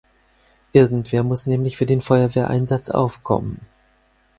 Irgendwer muss nämlich für den Feuerwehreinsatz aufkommen.